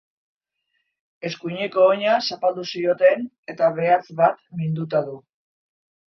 Eskuineko oina zapaldu zioten, eta behatz bat minduta du.